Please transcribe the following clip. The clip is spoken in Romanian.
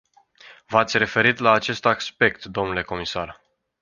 V-ați referit la acest aspect, dle comisar.